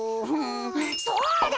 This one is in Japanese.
そうだ！